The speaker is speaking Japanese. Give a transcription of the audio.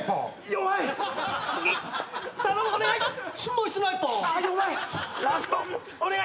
弱い。